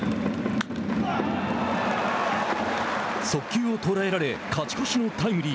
速球を捉えられ勝ち越しのタイムリー。